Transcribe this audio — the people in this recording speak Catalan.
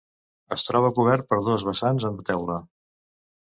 Es troba cobert per dos vessants amb teula.